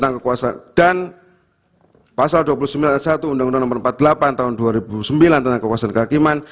dan pasal dua puluh sembilan c a satu undang undang no empat puluh delapan tahun dua ribu sembilan tentang kekuasaan kehakiman